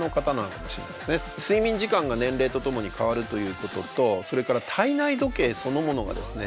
睡眠時間が年齢とともに変わるということとそれから体内時計そのものがですね